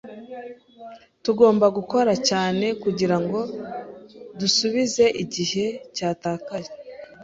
Tugomba gukora cyane kugirango dusubize igihe cyatakaye.